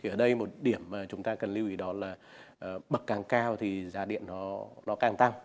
ở đây một điểm mà chúng ta cần lưu ý đó là bậc càng cao thì giá điện nó càng tăng